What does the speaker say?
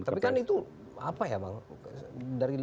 tapi kan itu apa ya bang